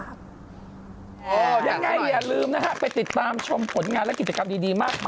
อย่างไรอย่าลืมนะครับไปติดตามชมผลงานและกิจกรรมดีมาก